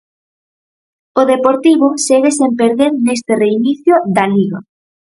O Deportivo segue sen perder neste reinicio da Liga.